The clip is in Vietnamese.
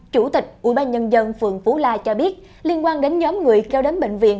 chủ tịch ủy ban nhân dân phường phú la cho biết liên quan đến nhóm người kêu đến bệnh viện